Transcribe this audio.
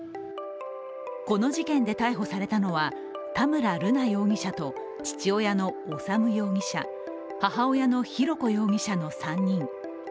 この事件で逮捕されたのは田村瑠奈容疑者と父親の修容疑者、母親の浩子容疑者の３人。